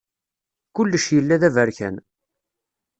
Kullec yella d aberkan.